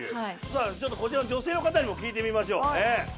さぁちょっとこちらの女性の方にも聞いてみましょう。